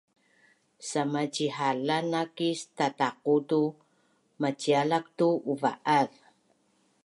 Samacihalan naakis tataqu tu macialak tu uva’az